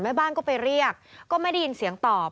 แม่บ้านก็ไปเรียกก็ไม่ได้ยินเสียงตอบ